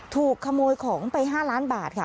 ถูกขโมยของไป๕ล้านบาทค่ะ